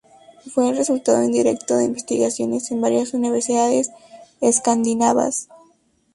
Fue el resultado indirecto de investigaciones en varias universidades escandinavas.